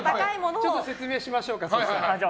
ちょっと説明しましょうか。